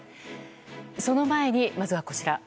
その前に、まずはこちら。